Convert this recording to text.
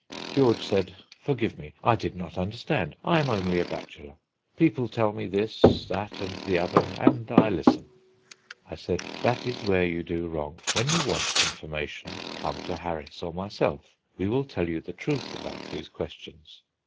George said, "Forgive me; I did not understand. I am only a bachelor. People tell me this, that, and the other, and I listen." I said, "That is where you do wrong. When you want information come to Harris or myself; we will tell you the truth about these questions."